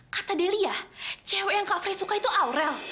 kata delia cewek yang kak frey suka itu aurel